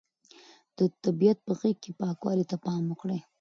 د طبیعت په غېږ کې پاکوالي ته پام وکړئ.